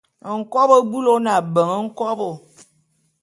Nkobô bulu ô ne abeng nkobo.